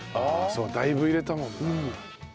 そうだいぶ入れたもんな。